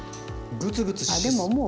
グツグツしそう。